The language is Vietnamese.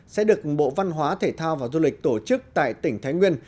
sẽ được bộ văn hóa thể thao và du lịch tổ chức tại tỉnh thái nguyên